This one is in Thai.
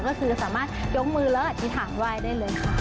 ก็คือสามารถยกมือแล้วอธิษฐานไหว้ได้เลยค่ะ